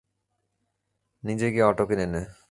নিজে গিয়ে অটো কিনে নে।